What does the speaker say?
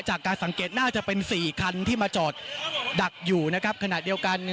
จากการสังเกตน่าจะเป็น๔คันที่มาจอดดักอยู่นะครับขณะเดียวกัน